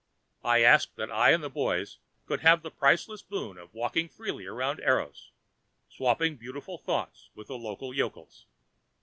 I asked that I and the boys could have the priceless boon of walking freely around Eros, swapping beautiful thoughts with the local yokels.